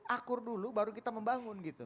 akur dulu baru kita membangun gitu